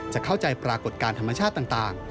จะเข้าใจปรากฏการณ์ธรรมชาติต่าง